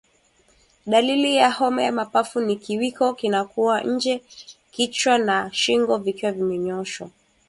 Dalili ya homa ya mapafu ni kiwiko kinakuwa nje kichwa na shingo vikiwa vimenyooshwa